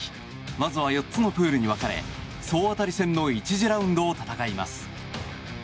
まずは４つのプールに分かれ総当たり戦の１次ラウンドを戦います。